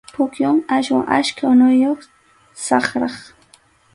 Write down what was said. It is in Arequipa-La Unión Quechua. Pukyum aswan achka unuyuq, saqrap.